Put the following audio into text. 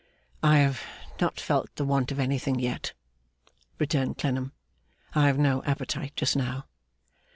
'I have not felt the want of anything yet,' returned Clennam. 'I have no appetite just now.